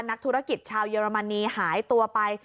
นักธุรกิจชาวเยอรมนีหายตัวไป